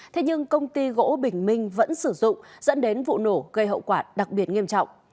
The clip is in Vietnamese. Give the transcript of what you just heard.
thế nhưng công ty gỗ bình minh vẫn sử dụng dẫn đến vụ nổ gây hậu quả đặc biệt nghiêm trọng